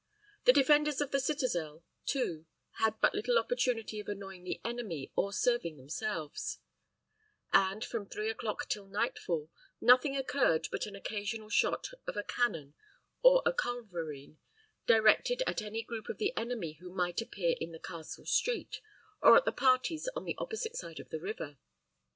The defenders of the citadel, too, had but little opportunity of annoying the enemy or serving themselves; and, from three o'clock till nightfall, nothing occurred but an occasional shot of a cannon or a culverine, directed at any group of the enemy who might appear in the castle street, or at the parties on the opposite side of the river.